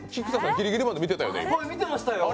ギリギリまで見てましたよね。